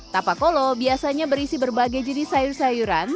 tapak kolo biasanya berisi berbagai jenis sayur sayuran